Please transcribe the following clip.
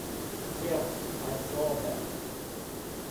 Yes, I saw that.